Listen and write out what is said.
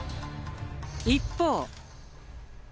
一方。